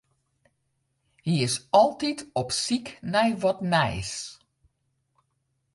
Hy is altyd op syk nei wat nijs.